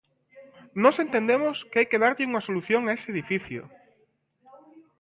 Nós entendemos que hai que darlle unha solución a ese edificio.